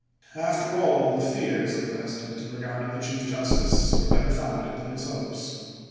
After all, the fears of the President in regard to the Chief Justice were better founded than his hopes.